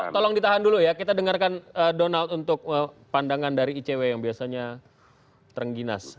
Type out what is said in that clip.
tolong ditahan dulu ya kita dengarkan donald untuk pandangan dari icw yang biasanya terengginas